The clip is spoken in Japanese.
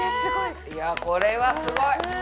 いやこれはすごい！